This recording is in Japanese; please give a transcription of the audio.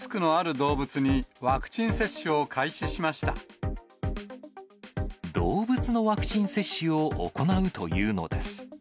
動物のワクチン接種を行うというのです。